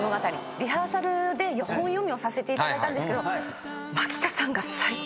リハーサルで本読みをさせていただいたんですけど。